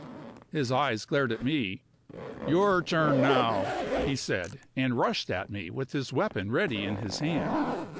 His eyes glared at me. "Your turn now," he said and rushed at me with his weapon ready in his hand.